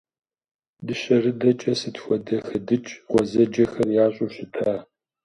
Дыщэрыдэкӏэ сыт хуэдэ хэдыкӏ гъуэзэджэхэр ящӏу щыта!